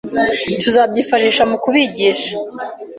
Tuzabyifashisha mu kubigisha.